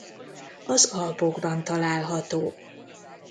Az Alpokban található.